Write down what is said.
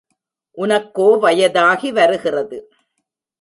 உனக்கோ வயதாகி வருகிறது.